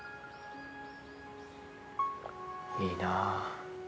いいなぁ。